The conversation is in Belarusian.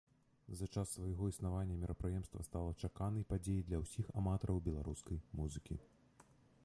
За час свайго існавання мерапрыемства стала чаканай падзеяй для ўсіх аматараў беларускай музыкі.